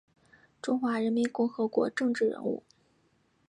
中华人民共和国政治人物。